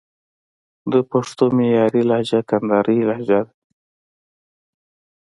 د پښتو معیاري لهجه کندهارۍ لجه ده